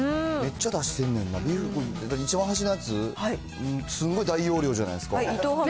めっちゃ出してんねんな、一番端のやつ、すんごい大容量じゃないですか。